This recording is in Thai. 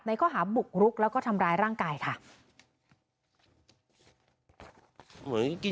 ข้อหาบุกรุกแล้วก็ทำร้ายร่างกายค่ะ